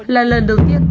là lần đầu tiên